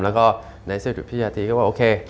แล้วก็ในสิ่งที่พี่ชาติก็บอกโอเค